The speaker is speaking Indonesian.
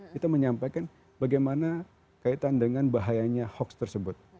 kita menyampaikan bagaimana kaitan dengan bahayanya hoax tersebut